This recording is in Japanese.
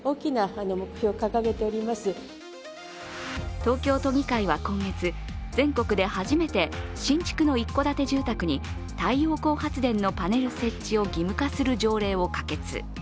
東京都議会は今月、全国で初めて新築の一戸建て住宅に太陽光発電のパネル設置を義務化する条例を可決。